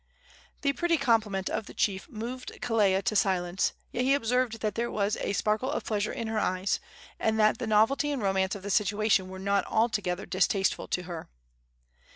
The pretty compliment of the chief moved Kelea to silence; yet he observed that there was a sparkle of pleasure in her eyes, and that the novelty and romance of the situation were not altogether distasteful to her.